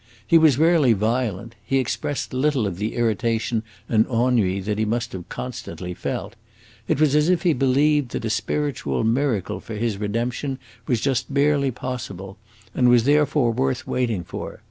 He was rarely violent, he expressed little of the irritation and ennui that he must have constantly felt; it was as if he believed that a spiritual miracle for his redemption was just barely possible, and was therefore worth waiting for.